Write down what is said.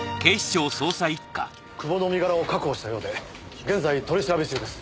久保の身柄を確保したようで現在取り調べ中です。